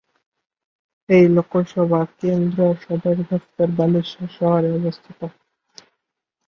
এই লোকসভা কেন্দ্রর সদর দফতর বালেশ্বর শহরে অবস্থিত।